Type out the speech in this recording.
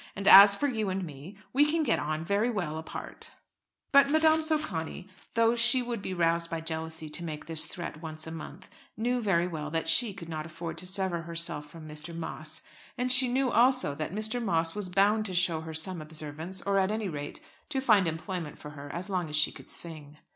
And as for you and me, we can get on very well apart." But Madame Socani, though she would be roused by jealousy to make this threat once a month, knew very well that she could not afford to sever herself from Mr. Moss; and she knew also that Mr. Moss was bound to show her some observance, or, at any rate, to find employment for her as long as she could sing.